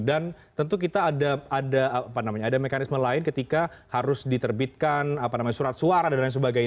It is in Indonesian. dan tentu kita ada mekanisme lain ketika harus diterbitkan surat suara dan lain sebagainya